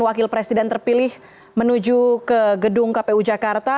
wakil presiden terpilih menuju ke gedung kpu jakarta